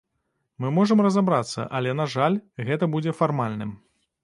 Мы можам разабрацца, але, на жаль, гэта будзе фармальным.